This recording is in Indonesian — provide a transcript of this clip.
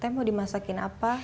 teteh mau dimasakin apa